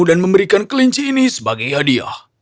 dan memberikan gelinci ini sebagai hadiah